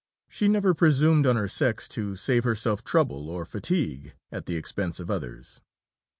She never presumed on her sex to save herself trouble or fatigue at the expense of others.